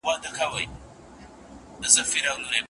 که د سړي دوې ميرمنې وي، تعین څنګه کیږي؟